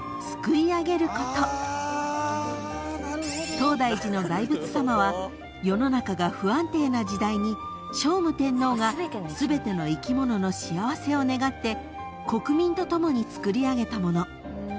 ［東大寺の大仏様は世の中が不安定な時代に聖武天皇が全ての生き物の幸せを願って国民と共に造り上げたもの］